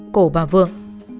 cổ bà vượng